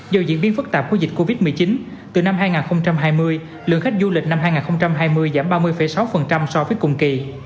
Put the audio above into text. do diễn biến phức tạp của dịch covid một mươi chín từ năm hai nghìn hai mươi lượng khách du lịch năm hai nghìn hai mươi giảm ba mươi sáu so với cùng kỳ